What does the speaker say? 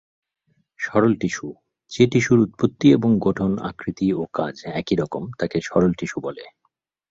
সরল টিস্যু: যে টিস্যুর উৎপত্তি এবং গঠন, আকৃতি ও কাজ একই রকম, তাকে সরল টিস্যু বলে।